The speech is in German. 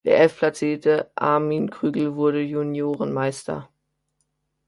Der elftplatzierte Armin Krügel wurden Juniorenmeister.